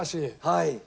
はい。